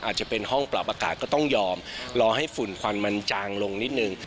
อาจจะเป็นห้องปรับอากาศก็ต้องยอมรอให้ฝุ่นควันมันจางลงนิดนึง